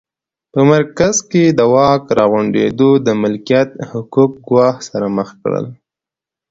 په مرکز کې د واک راغونډېدو د ملکیت حقوق ګواښ سره مخ کړل